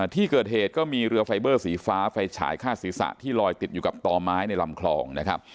ที่เกิดเหตุก็มีเรือไฟเบอร์สีฟ้าไฟฉายฆ่าศีรษะที่ลอยติดอยู่กับต่อไม้ในลำคลองนะครับ